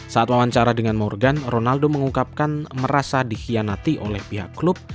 saat wawancara dengan morgan ronaldo mengungkapkan merasa dikhianati oleh pihak klub